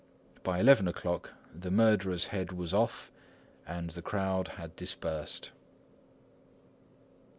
By eleven o'clock the murderer's head was off and the crowd had dispersed.